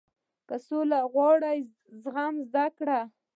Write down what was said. • که سوله غواړې، زغم زده کړه.